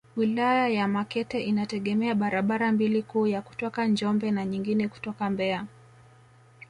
Wilaya ya Makete inategemea barabara mbili kuu ya kutoka Njombe na nyingine kutoka Mbeya